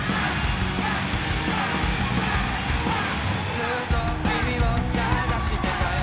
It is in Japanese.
ずっときみを探してたよ